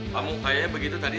kamu kayaknya begitu tadi